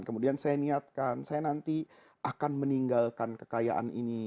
kemudian saya niatkan saya nanti akan meninggalkan kekayaan ini